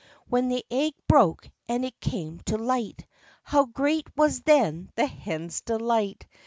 When the egg broke, and it came to light, How great was then the hen's delight!